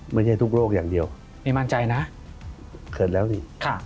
ไม่ใช่ทุกโลกอย่างเดียวไม่มั่นใจนะเขินแล้วดิ